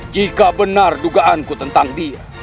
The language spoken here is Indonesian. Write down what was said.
jika benar dugaanku tentang dia